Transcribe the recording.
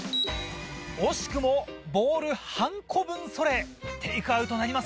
惜しくもボール半個分それテイクアウトなりませんでした。